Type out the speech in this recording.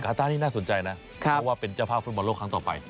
ต้านี่น่าสนใจนะเพราะว่าเป็นเจ้าภาพฟุตบอลโลกครั้งต่อไป